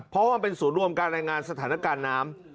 เพราะว่ามันเป็นศูนย์รวมการรายงานสถานการณ์น้ำ